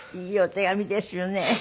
いいお手紙ですよね。